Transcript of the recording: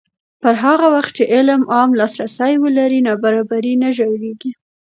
پر هغه وخت چې علم عام لاسرسی ولري، نابرابري نه ژورېږي.